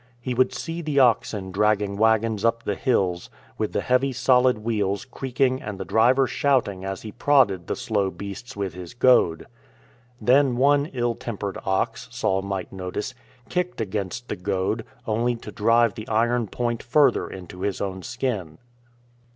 He would see the oxen dragging wagons up the hills, with the heavy solid wheels creak ing and the driver shouting as he prodded the slow beasts with his goad. Then one ill tempered ox (Saul might notice) kicked against the goad, only to drive the iron point further into his own skin.